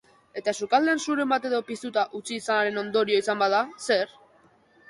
Eta sukaldean suren bat-edo piztuta utzi izanaren ondorio izan bada, zer?